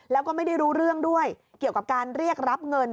แล้วก็ไม่ได้รู้เรื่องด้วยเกี่ยวกับการเรียกรับเงิน